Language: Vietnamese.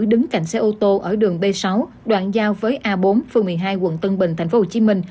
đứng cạnh xe ô tô ở đường b sáu đoạn giao với a bốn phường một mươi hai quận tân bình tp hcm